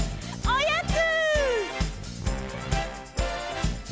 おやつ！